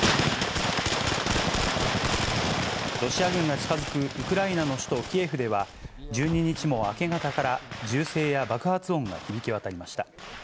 ロシア軍が近づくウクライナの首都キエフでは、１２日も明け方から、銃声や爆発音が響き渡りました。